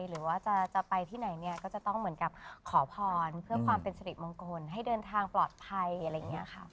หรือว่าจะไปที่ไหนเนี่ยก็จะต้องเหมือนกับขอพรเพื่อความเป็นสิริมงคลให้เดินทางปลอดภัยอะไรอย่างนี้ค่ะ